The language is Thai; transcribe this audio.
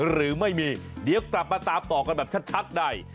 หรือไม่มีเดี๋ยวกลับมาตามต่อกันแบบชัดใน